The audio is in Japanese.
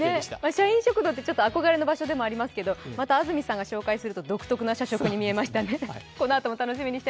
社員食堂って憧れの場所でもありますけどまた安住さんが紹介すると独特な社食に見えましたね。